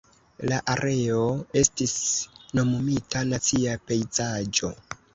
La areo estis nomumita Nacia Pejzaĝo.